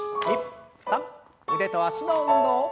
腕と脚の運動。